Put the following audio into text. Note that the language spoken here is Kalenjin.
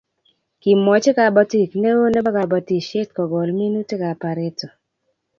Kimwochi kabotik neo nebo kabatisiet kogol minutikap pareto